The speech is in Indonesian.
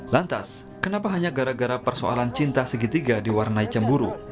lantas kenapa hanya gara gara persoalan cinta segitiga diwarnai cemburu